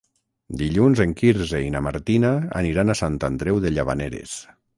Dilluns en Quirze i na Martina aniran a Sant Andreu de Llavaneres.